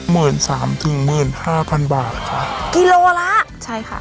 หมื่นสามถึงหมื่นห้าพันบาทค่ะกิโลละใช่ค่ะ